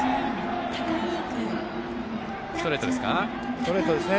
ストレートですか。